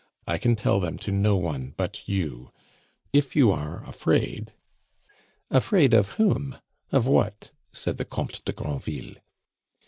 I can tell them to no one but you. If you are afraid " "Afraid of whom? Of what?" said the Comte de Granville.